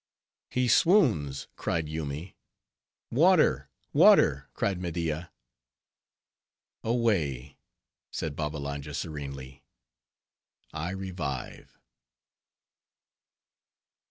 "He swoons!" cried Yoomy. "Water! water!" cried Media. "Away:" said Babbalanja serenely, "I revive."